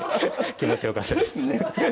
気持ち良かったです。